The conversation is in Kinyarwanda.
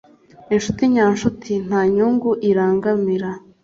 inshuti nyanshuti nta nyungu irangamira